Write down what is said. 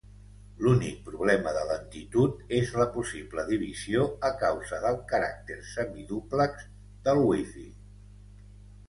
L'únic problema de lentitud és la possible divisió a causa del caràcter semidúplex del wifi.